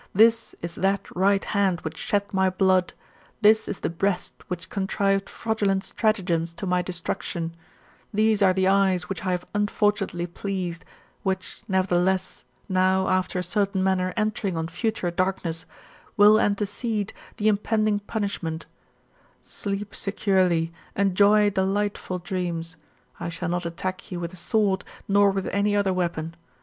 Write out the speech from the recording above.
This is that right hand which shed my blood; this is the breast which contrived fraudulent stratagems to my destruction ; these are the eyes which I have have unfortunately pleased, which, nevertheless, now after a certain manner entering on future darkness, will antecede [by sleeping] the impending puoisbment Sleep securely, enjoy GOLDEN ASS, OF APULEIUS. — BOOK VIII. 119 delightful dreams. I shall not attack you with a sword, nor with any other weapon.